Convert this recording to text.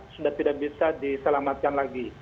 sudah tidak bisa diselamatkan